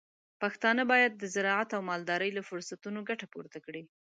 پښتانه بايد د زراعت او مالدارۍ له فرصتونو ګټه پورته کړي.